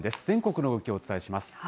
全国の動きをお伝えします。